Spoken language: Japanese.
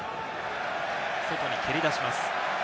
外に蹴り出します。